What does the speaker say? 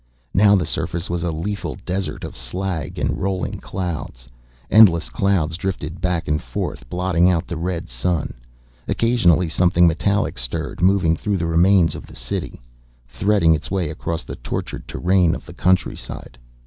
Now the surface was a lethal desert of slag and rolling clouds. Endless clouds drifted back and forth, blotting out the red Sun. Occasionally something metallic stirred, moving through the remains of a city, threading its way across the tortured terrain of the countryside.